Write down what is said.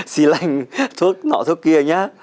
xì lành thuốc nọ thuốc kia nhé